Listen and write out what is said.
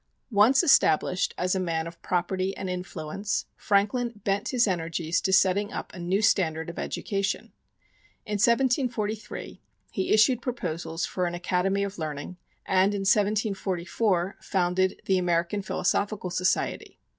Once established as a man of property and influence, Franklin bent his energies to setting up a new standard of education. In 1743, he issued proposals for an academy of learning, and in 1744 founded the American Philosophical Society.